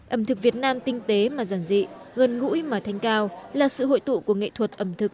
ẩm thực việt nam tinh tế mà giản dị gần ngũi mà thanh cao là sự hội tụ của nghệ thuật ẩm thực